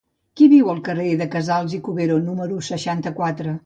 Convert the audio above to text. Qui viu al carrer de Casals i Cuberó número seixanta-quatre?